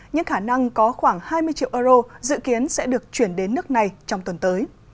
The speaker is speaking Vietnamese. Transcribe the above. nhưng khả năng có khoảng hai mươi triệu euro dự kiến sẽ được chuyển đến nước này trong tuần tới